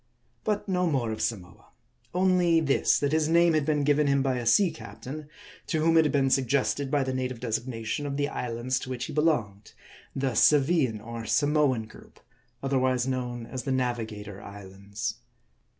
"^^ v But no more of Samoa ; only this : that his name had been given him by. a sea captain ; to whom it had been sug gested by the native designation of the islands to which he belonged ; the Saviian or Samoan group, otherwise known as the Navigator Islands.